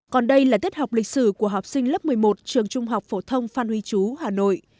còn đây là tiết học lịch sử của học sinh lớp một mươi một trường trung học phổ thông phan huy chú hà nội